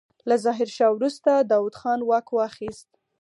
له ظاهرشاه وروسته داوود خان واک واخيست.